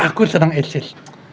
aku sedang eksis